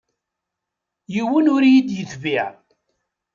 Yiwen ur yi-d-yetbiε.